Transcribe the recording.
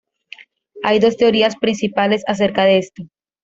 Hay dos teorías principales acerca de esto.